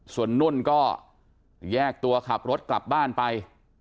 ส่วนนุ่นก็แยกตัวขับรถกลับบ้านไป